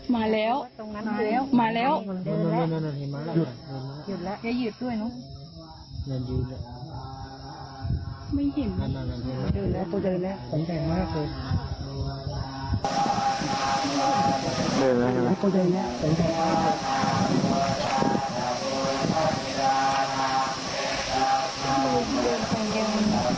มาแล้วมาแล้วอย่าหยืดด้วยนะครับ